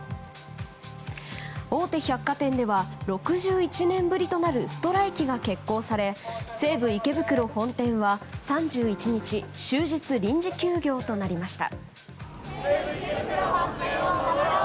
大手百貨店では６１年ぶりとなるストライキが決行され西武池袋本店は３１日終日臨時休業となりました。